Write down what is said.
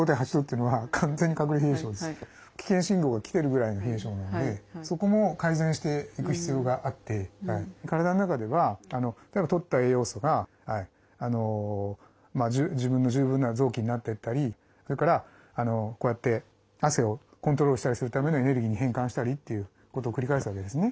危険信号が来てるぐらいの冷え症なのでそこも改善していく必要があって体の中ではとった栄養素が自分の十分な臓器になってったりそれからこうやって汗をコントロールしたりするためのエネルギーに変換したりということを繰り返すわけですね。